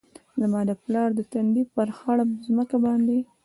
زما د پلار د تندي ، پر خړه مځکه باندي